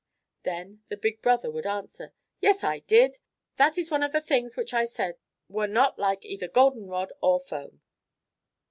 Then the big brother would answer: "Yes, I did. That is one of the things which I said were not like either golden rod or foam."